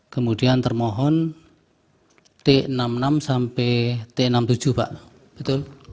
kemudian termohon t enam puluh enam sampai t enam puluh tujuh pak betul